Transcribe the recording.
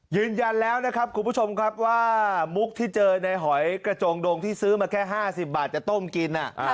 ยืนยันแล้วนะครับคุณผู้ชมครับว่ามุกที่เจอในหอยกระจงดงที่ซื้อมาแค่๕๐บาทจะต้มกิน